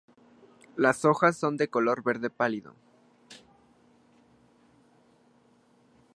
Las hojas son de color verde pálido.